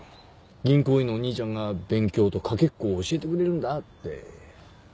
銀行員のお兄ちゃんが勉強とかけっこを教えてくれるんだって。